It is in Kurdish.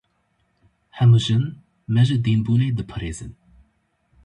Hemû jin, me ji dînbûnê diparêzin.